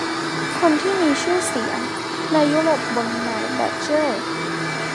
คนที่มีชื่อเสียงในยุโรปบ่นนายแบดเจอร์